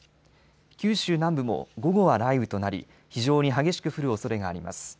九州南部も午後は雷雨となり、非常に激しく降るおそれがあります。